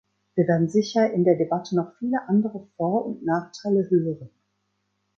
Wir werden sicher in der Debatte noch viele andere Vor- und Nachteile hören.